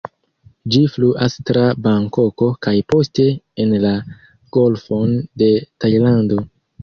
Ĝi fluas tra Bankoko kaj poste en la Golfon de Tajlando.